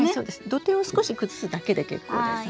土手を少し崩すだけで結構です。